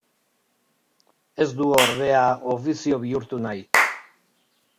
Ez du, ordea, ofizio bihurtu nahi.